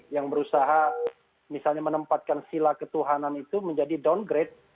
yang berusaha misalnya menempatkan sila ketuhanan itu menjadi downgrade